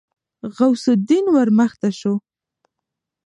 غوث الدين ورمخته شو.